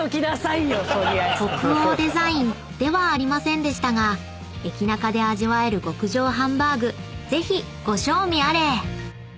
［北欧デザインではありませんでしたが駅ナカで味わえる極上ハンバーグぜひご賞味あれ！］